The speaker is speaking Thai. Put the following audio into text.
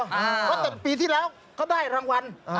เพราะแต่ปีที่แล้วเขาได้รางวัล